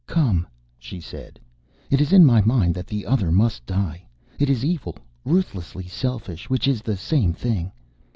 "Come," she said. "It is in my mind that the Other must die. It is evil, ruthlessly selfish, which is the same thing.